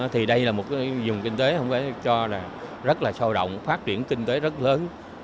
thì đây là một dùng kinh tế không phải cho là rất là sâu động phát triển kinh tế rất lớn